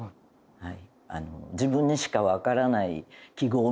はい。